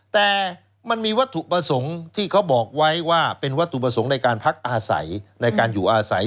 แต่มันมีวัตถุประสงค์ที่เขาบอกไว้ว่าเป็นวัตถุประสงค์ในการพักอาศัยในการอยู่อาศัย